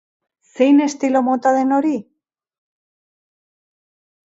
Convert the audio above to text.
Zein estilo mota den hori?